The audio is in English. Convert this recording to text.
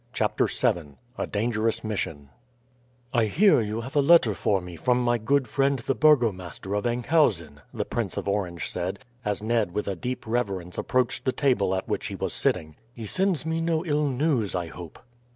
CHAPTER VII A DANGEROUS MISSION "I hear you have a letter for me from my good friend the burgomaster of Enkhuizen," the Prince of Orange said, as Ned with a deep reverence approached the table at which he was sitting. "He sends me no ill news, I hope?"